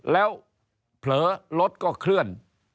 แล้วเผลอรถก็เคลื่อน